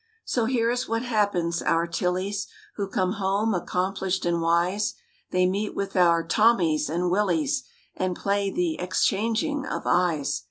So here is what happens our "Tillies" Who come home accomplished and wise; They meet with our "Tommies" and "Willies" And play the "exchanging" of eyes.